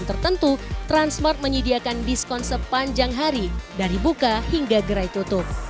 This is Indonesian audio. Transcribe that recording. dan tertentu transmart menyediakan diskon sepanjang hari dari buka hingga gerai tutup